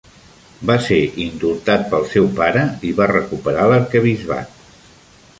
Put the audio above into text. Va ser indultat pel seu pare, i va recuperar l'arquebisbat.